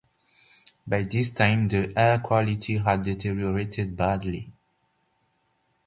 By this time, the air quality had deteriorated badly.